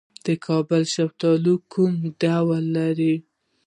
د کابل شفتالو کوم ډولونه لري؟